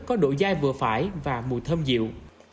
có độ dai vừa phải và mùi thơm dịu